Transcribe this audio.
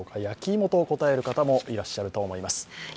焼き芋と答える方もいらっしゃると思います。